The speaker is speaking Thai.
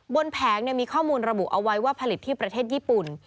แผงมีข้อมูลระบุเอาไว้ว่าผลิตที่ประเทศญี่ปุ่น